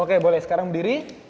oke boleh sekarang berdiri